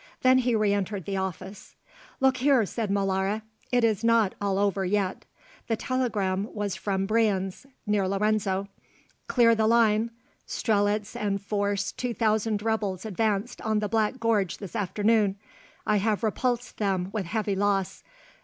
Then he re entered the office. "Look here," said Molara; "it is not all over yet." The telegram was from Brienz, near Lorenzo: _Clear the line. Strelitz and force two thousand rebels advanced on the Black Gorge this afternoon. I have repulsed them with heavy loss.